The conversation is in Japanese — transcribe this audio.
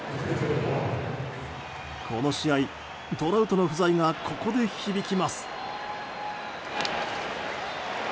この試合、トラウトの不在がここで響きます。